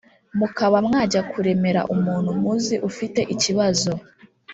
mukaba mwajya kuremera umuntu muzi ufite ikibazo